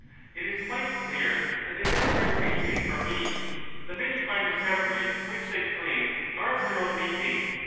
It is quite clear that they never learned anything from me; the many fine discoveries to which they cling are of their own making.